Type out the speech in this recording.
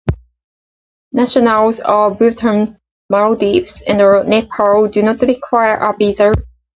Nationals of Bhutan, Maldives and Nepal do not require a visa.